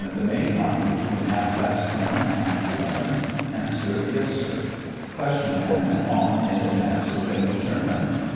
The main army between half past ten and eleven ? A. Yes, sir. Q. And went on in advance of General Sherman